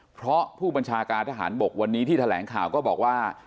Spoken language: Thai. เพราะผู้บัญชาการทหารบกวันนี้ที่แถลงข่าวก็บอกว่า